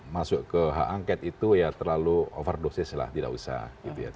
masuk ke hak angket itu ya terlalu overdosis lah tidak usah gitu ya